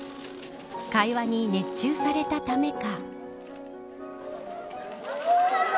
会話に熱中されたためか。